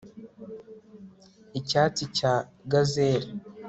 Icyatsi cya gazel